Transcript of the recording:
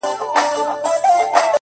کلونه پس چي درته راغلمه. ته هغه وې خو؛.